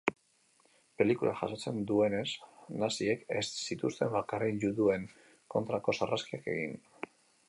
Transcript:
Pelikulak jasotzen duenez, naziek ez zituzten bakarrik juduen kontrako sarraskiak egin.